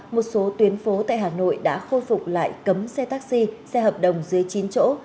một số tuyến phố tại hà nội đã khôi phục lại cấm xe taxi xe hợp đồng dưới chín chỗ